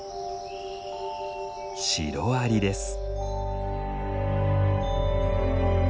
シロアリです。